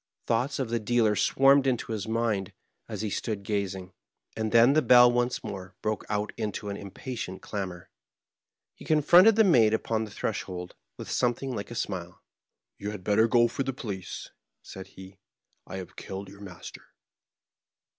Thoughts of the dealer swarmed into Digitized by VjOOQIC 78 MABKHEIM, his mind, as he stood gazing. And then the bell once more broke out into an impatient clamor. He confronted the maid npon the threshold with something like a smile. " You had better go for the police," said he ; "I have killed your master."